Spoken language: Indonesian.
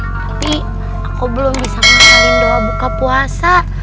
tapi aku belum bisa ngejarin doa buka puasa